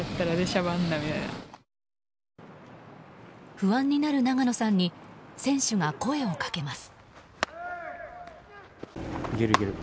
不安になる永野さんに選手が声をかけます。